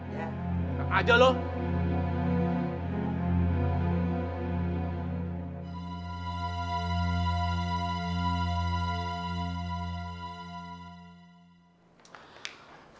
enggak aja loh